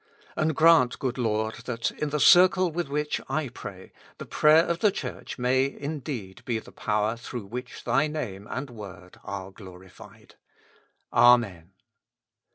And grant, good Lord ! that in the circle with which I pray, the prayer of the Church may in deed be the power through which Thy Name and Word are glorified. Amen.